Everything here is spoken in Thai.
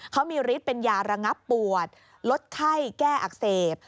เขามีฤทธิ์เป็นยาระงับปวดลดไข้แก้อักเสบ